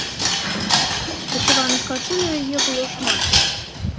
Вышываных кашуль у яе было шмат.